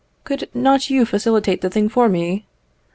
Could not you facilitate the thing for me?